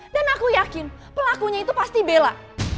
dan aku yakin pelakunya itu pasti bella